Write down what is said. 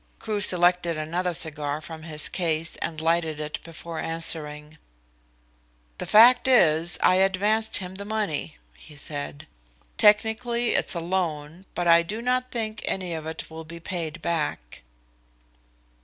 Crewe selected another cigar from his case and lighted it before answering. "The fact is, I advanced him the money," he said. "Technically it's a loan, but I do not think any of it will be paid back."